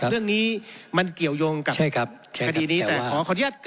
ครับเรื่องนี้มันเกี่ยวยงกับใช่ครับคดีนี้แต่ขอขออนุญาต